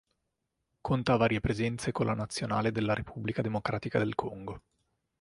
Conta varie presenze con la Nazionale della Repubblica Democratica del Congo.